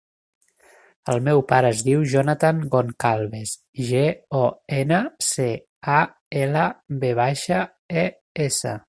El meu pare es diu Jonathan Goncalves: ge, o, ena, ce, a, ela, ve baixa, e, essa.